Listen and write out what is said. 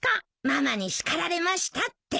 「ママに叱られました」って。